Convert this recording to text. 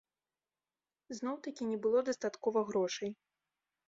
Зноў-такі не было дастаткова грошай.